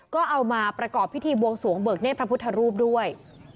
ก็เอามาประกอบพิธีบวงสวงเบิกเนธพระพุทธรูปด้วย